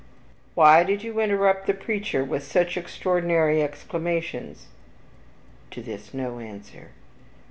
"Why did you interrupt the preacher with such extraordinary exclamations?" To this no answer.